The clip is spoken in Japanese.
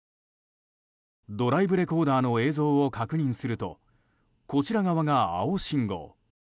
ドライブレコーダーの映像を確認するとこちら側が青信号。